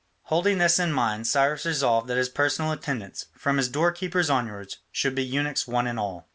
Holding this in mind, Cyrus resolved that his personal attendants, from his doorkeepers onwards, should be eunuchs one and all.